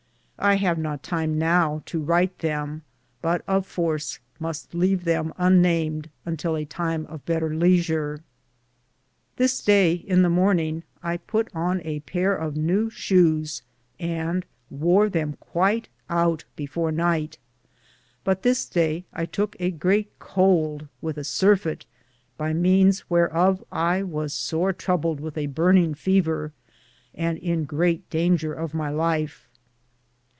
I have not time now to wryte them, but of force muste leave them un named untill a time of better Leasur. This daye, in the morninge, I put on a pare of new shoues, and wore them quite oute before nyghte ; but this daye I touke a great could with a surfett, by means whear of I was sore trubled with a burninge fever, and in great dainger of my Life.